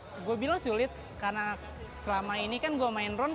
saya pikir ini sulit karena selama ini saya main drone